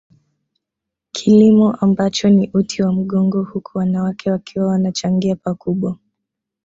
Kilimo ambacho ni uti wa mgongo huku wanawake wakiwa wanachangia pakubwa